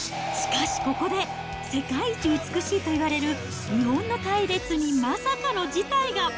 しかしここで、世界一美しいといわれる日本の隊列にまさかの事態が。